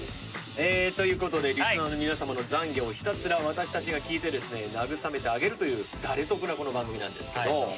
えーということでリスナーの皆様の懺悔をひたすら私たちが聞いてですね慰めてあげるという誰得なこの番組なんですけど。